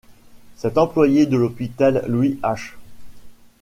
Cet employé de l'Hôpital Louis-H.